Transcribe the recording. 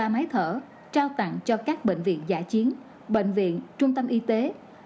hai mươi ba máy thở trao tặng cho các bệnh viện giả chiến bệnh viện trung tâm y tế